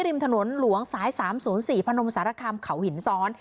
ริมถนนหลวงสาย๓๐๔พนมสารคามเขาหินซ้อน